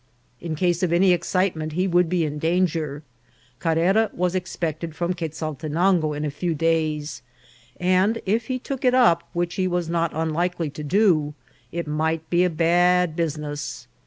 In case of any excitement he would be in danger. Carrera was expected from Quezaltenango in a few days, and if he took it up, which he was not unlikely to do, it might be a bad business.